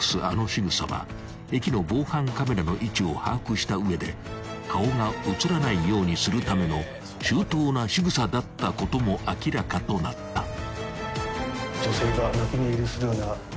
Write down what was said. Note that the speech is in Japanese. あのしぐさは駅の防犯カメラの位置を把握した上で顔が写らないようにするための周到なしぐさだったことも明らかとなった］